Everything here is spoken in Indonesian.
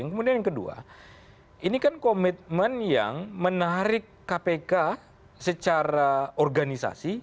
kemudian yang kedua ini kan komitmen yang menarik kpk secara organisasi